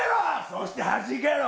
そしてはじけろ！